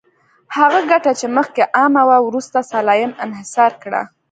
هغه ګټه چې مخکې عامه وه، وروسته سلایم انحصار کړه.